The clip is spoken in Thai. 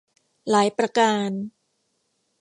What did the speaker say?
หลายประการ